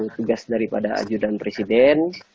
tugas daripada ajudan presiden